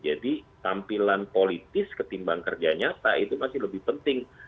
jadi tampilan politis ketimbang kerja nyata itu masih lebih penting